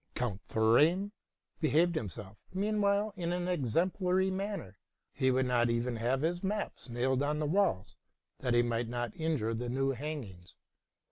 Count Thorane behaved himself, meanwhile, in an exem plary manner. He would not even have his maps nailed on the walls, that he might not injure the new hangings.